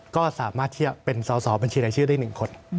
ก็สามารถที่จะเป็นสสบรชื่อได้๑คน